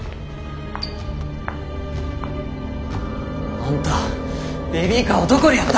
あんたベビーカーはどこにやった？